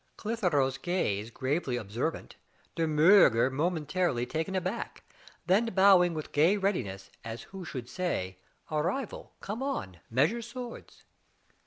Clitheroe's gaze gravely observant, De Miirger momentarily taken aback, then bowing with gay readiness, as who should say, " A rival ? Come on ! measure swords."